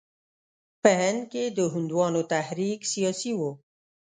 په هند کې د هندوانو تحریک سیاسي وو.